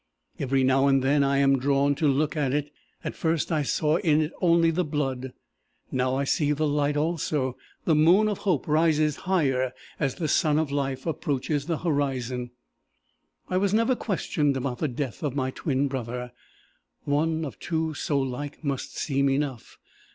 Every now and then I am drawn to look at it. At first I saw in it only the blood; now I see the light also. The moon of hope rises higher as the sun of life approaches the horizon. "I was never questioned about the death of my twin brother. One, of two so like, must seem enough.